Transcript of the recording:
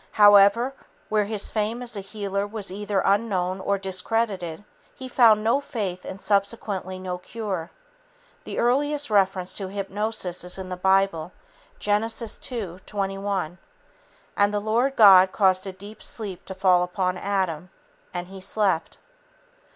However, where his fame as a healer was either unknown or discredited, he found no faith and subsequently no cure. The earliest reference to hypnosis is in the Bible, Genesis ii, 21. "And the Lord God caused a deep sleep to fall upon Adam, and he slept